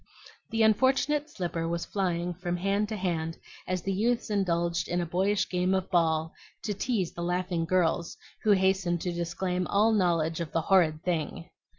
The unfortunate slipper was flying from hand to hand as the youths indulged in a boyish game of ball to tease the laughing girls, who hastened to disclaim all knowledge of "the horrid thing."